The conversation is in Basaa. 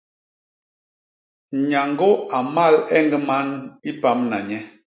Nyañgô a mmal eñg man i pamna nye.